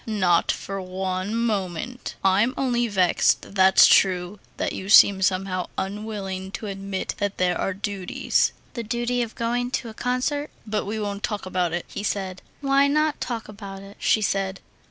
"Not for one moment. I'm only vexed, that's true, that you seem somehow unwilling to admit that there are duties...." "The duty of going to a concert...." "But we won't talk about it," he said. "Why not talk about it?" she said.